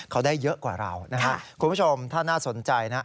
เขาได้เยอะกว่าเรานะฮะคุณผู้ชมถ้าน่าสนใจนะ